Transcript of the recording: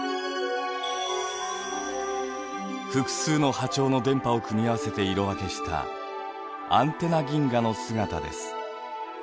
複数の波長の電波を組み合わせて色分けしたアンテナ銀河の姿です。